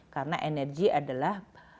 karena energi adalah